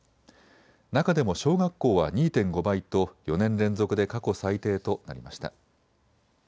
中でも小学校は２．５倍と４年連続で過去最低となりました。